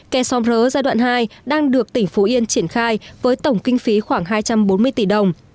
kè xóm rỡ giai đoạn hai đang được tỉnh phú yên triển khai với tổng kinh phí khoảng hai trăm bốn mươi tỷ đồng